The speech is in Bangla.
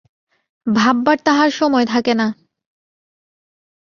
ভাববার তাহার সময় থাকে নাই।